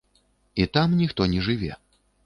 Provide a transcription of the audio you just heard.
І там ніхто не жыве.